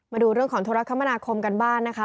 มาดูเรื่องของธุรคมนาคมกันบ้านนะคะ